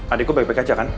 adik gue baik baik aja kan